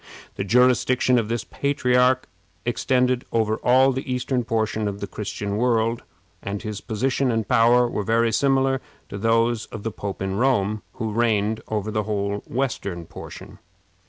The jurisdiction of this patriarch extended over all the eastern portion of the Christian world, and his position and power were very similar to those of the Pope of Rome, who reigned over the whole western portion.